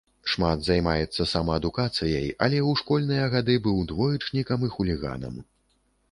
Шмат займаецца самаадукацыяй, але ў школьныя гады быў двоечнікам і хуліганам.